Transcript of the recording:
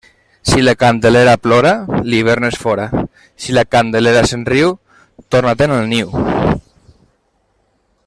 Si la Candelera plora, l'hivern és fora; si la Candelera se'n riu, torna-te'n al niu.